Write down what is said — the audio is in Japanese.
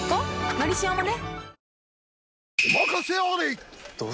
「のりしお」もね